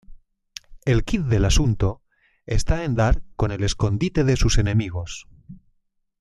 El quid del asunto está en dar con el escondite de sus enemigos.